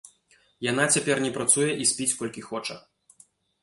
Яна цяпер не працуе і спіць колькі хоча.